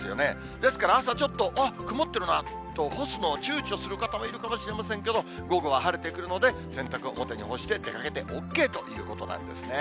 ですから、朝ちょっと、あっ、曇ってるなと、干すのをちゅうちょする方もいるかもしれませんけれども、午後は晴れてくるので、洗濯、表に干して出かけてＯＫということなんですね。